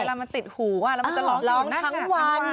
เวลามันติดหูว่าแล้วมันจะร้องอยู่ทั้งวัน